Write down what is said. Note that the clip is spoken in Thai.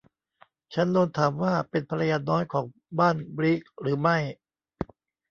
ฉันโดนถามว่าเป็นภรรยาน้อยของบ้านบลีกหรือไม่